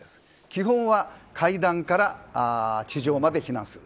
基本は階段から地上まで避難する。